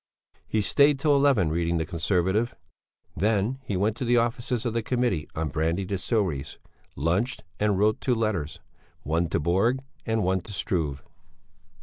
He stayed till eleven reading the Conservative; then he went to the offices of the Committee on Brandy Distilleries, lunched, and wrote two letters, one to Borg and one to Struve.